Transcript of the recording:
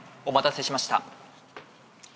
お待たせしました。